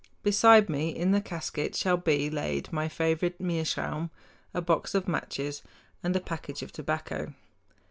Beside me in the casket shall be laid my favorite meerschaum, a box of matches, and a package of tobacco.